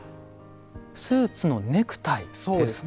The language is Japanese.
スーツのネクタイですか。